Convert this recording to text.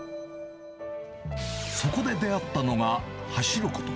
そこで出会ったのが走ること。